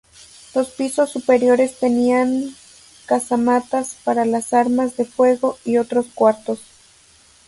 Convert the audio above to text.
Los pisos superiores tenían casamatas para las armas de fuego y otros cuartos.